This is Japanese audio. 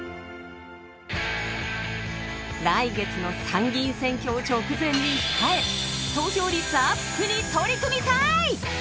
来月の参議院選挙を直前に控え投票率アップに取り組みたい！